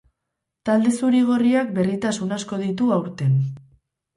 Talde zuri-gorriak berritasun asko ditu aurten.